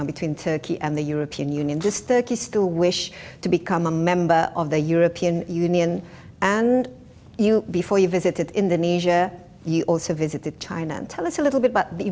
beritahu kami sedikit tentang pentingnya china untuk turki